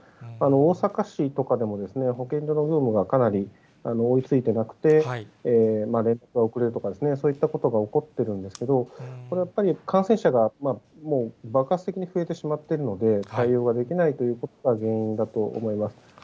大阪市とかでも、保健所の業務がかなり追いついてなくて、連絡が遅れるとか、そういったことが起こってるんですけど、それはやっぱり感染者がもう爆発的に増えてしまっているので、対応ができないということが原因だと思います。